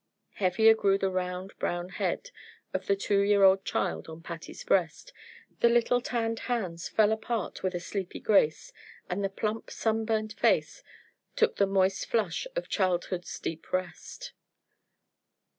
Heavier grew the round brown head of the two year old child on Patty's breast, the little tanned hands fell apart with a sleepy grace, and the plump, sunburnt face took the moist flush of childhood's deep rest.